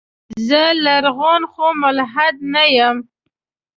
زه لرغون خو ملحد نه يم.